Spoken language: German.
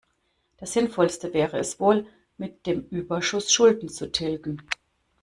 Das Sinnvollste wäre es wohl, mit dem Überschuss Schulden zu tilgen.